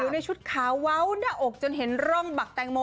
ในชุดขาวเว้าหน้าอกจนเห็นร่องบักแตงโม